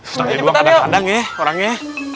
kita kaya dua kandang kandang ya orangnya